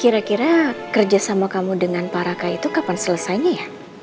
kira kira kerjasama kamu dengan paraka itu kapan selesainya ya